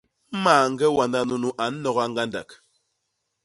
Mañge wanda nunu a nnoga ñgandak.